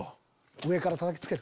上からたたきつける。